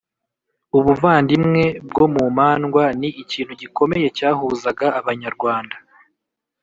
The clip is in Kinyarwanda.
ubuvandimwe bwo mu mandwa ni ikintu gikomeye cyahuzaga abanyarwanda.